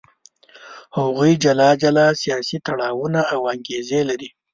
هغوی جلا جلا سیاسي تړاوونه او انګېزې لري.